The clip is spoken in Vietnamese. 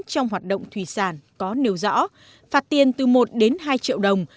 trong hoạt động thủy sản có nêu rõ phạt tiền từ một đến hai triệu đồng